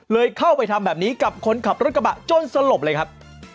เข้าไปทำแบบนี้กับคนขับรถกระบะจนสลบเลยครับ